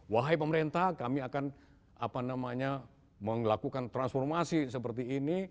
wahai pemerintah kami akan melakukan transformasi seperti ini